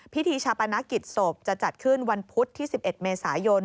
พิธีชาปนกิจศพจะจัดขึ้นวันพุธที่๑๑เมษายน